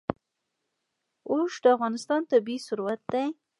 اوښ د افغانستان طبعي ثروت دی.